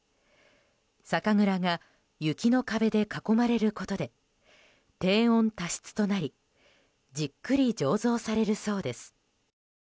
酒蔵が雪の壁で囲まれることで低温多湿となりじっくり醸造されるそうです。